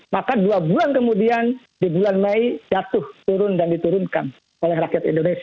maka dua bulan kemudian di bulan mei jatuh turun dan diturunkan oleh rakyat indonesia